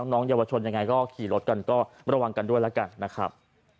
น้องเยาวชนยังไงก็ขี่รถกันก็ระวังกันด้วยแล้วกันนะครับ